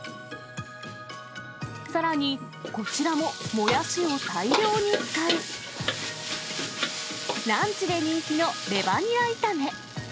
さらに、こちらももやしを大量に使うランチで人気のレバニラ炒め。